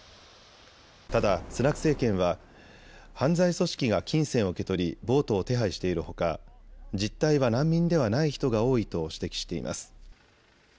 ただスナク政権は犯罪組織が金銭を受け取りボートを手配しているほか実態は難民ではない人が多いと指摘しています。